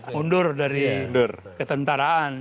mundur dari ketentaraan